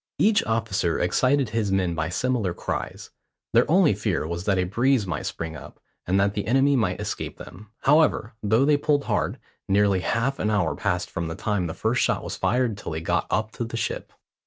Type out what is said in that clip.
Each officer excited his men by similar cries. Their only fear was that a breeze might spring up, and that the enemy might escape them. However, though they pulled hard, nearly half an hour passed from the time the first shot was fired till they got up to the ship.